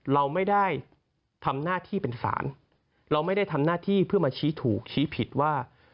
เราไม่ได้ทำหน้าที่เป็นศาลเราไม่ได้ทำหน้าที่เพื่อมาชี้ถูกชี้ผิดว่า